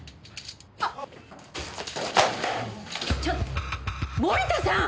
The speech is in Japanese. ちょっと森田さん！